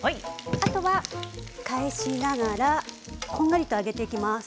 あとは返しながらこんがりと揚げていきます。